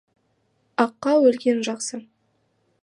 Аққа өлген жақсы..